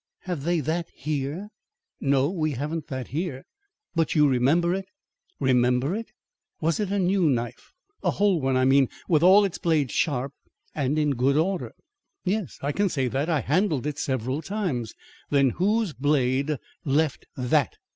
"Have they that here?" "No, we haven't that here." "But you remember it?" "Remember it?" "Was it a new knife, a whole one, I mean, with all its blades sharp and in good order?" "Yes. I can say that. I handled it several times." "Then, whose blade left that?"